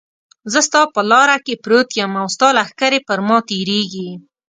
زه ستا په لاره کې پروت یم او ستا لښکرې پر ما تېرېږي.